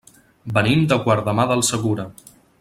Venim de Guardamar del Segura.